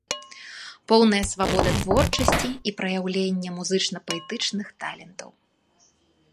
Поўная свабода творчасці і праяўлення музычна-паэтычных талентаў.